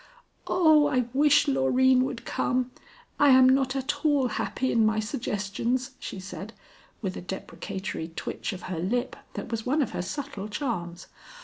"Oh, I wish Loreen would come! I am not at all happy in my suggestions," she said, with a deprecatory twitch of her lip that was one of her subtle charms.